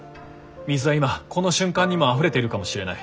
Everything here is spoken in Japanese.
水は今この瞬間にもあふれているかもしれない。